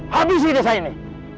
habisi desa ini